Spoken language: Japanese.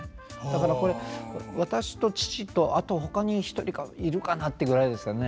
だからこれ私と父とあとほかに１人かいるかなってぐらいですかね。